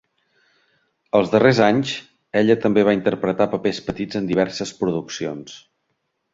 Els darrers anys, ella també va interpretar papers petits en diverses produccions.